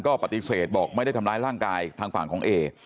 ก็ปฏิเสธบอกไม่ได้ทำร้ายร่างกายทางฝั่งของเอ